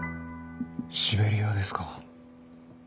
シベリアですか。